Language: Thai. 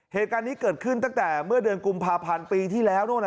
เหตุการณ์นี้เกิดขึ้นตั้งแต่เมื่อเดือนกุมภาพันธ์ปีที่แล้ว